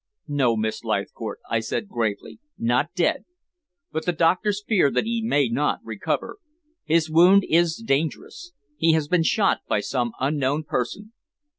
"No, Miss Leithcourt," I said gravely, "not dead, but the doctors fear that he may not recover. His wound is dangerous. He has been shot by some unknown person."